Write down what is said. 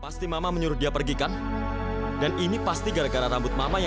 sampai jumpa di video selanjutnya